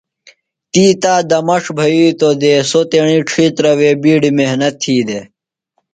تی تا دمݜ بھیتو دےۡ۔ سوۡ تیݨی ڇھیترہ وے بیڈیۡ محنت تھی دے۔